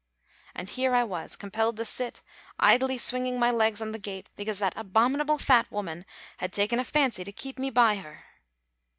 And here I was compelled to sit, idly swinging my legs on the gate, because that abominable fat woman had taken a fancy to keep me by her!